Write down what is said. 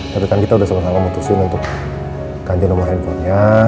tapi kan kita sudah sama sama mutusin untuk kajian nomor handphonenya